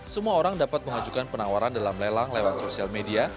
semua orang dapat mengajukan penawaran dalam lelang lewat sosial media